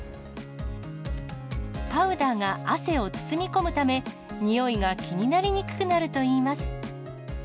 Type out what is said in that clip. パウダーが汗を包み込むため、臭いが気になりにくくなるといいます。